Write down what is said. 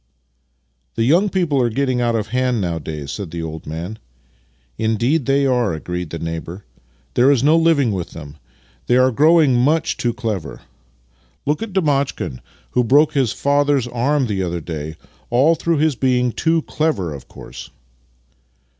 The young people are getting out of hand now adays," said the old man. " Indeed they are !" agreed the neighbour. " There is no living with them. They are growing much too clever. Look at Demotchkin, who broke his father's arm the other day — all through his being too clever, of course!